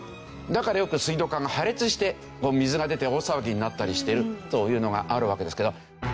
だからよく水道管が破裂して水が出て大騒ぎになったりしているというのがあるわけですけど。